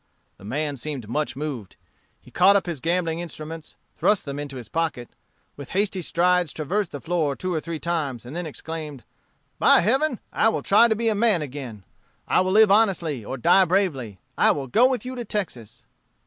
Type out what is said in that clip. "The man seemed much moved. He caught up his gambling instruments, thrust them into his pocket, with hasty strides traversed the floor two or three times, and then exclaimed: "'By heaven, I will try to be a man again. I will live honestly, or die bravely. I will go with you to Texas.'"